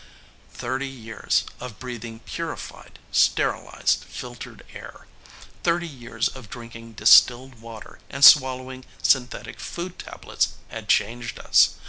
"Thirty years of breathing purified, sterilized, filtered air, thirty years of drinking distilled water and swallowing synthetic food tablets had changed us.